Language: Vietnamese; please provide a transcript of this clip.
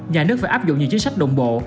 nhà nước phải áp dụng nhiều chính sách đồng bộ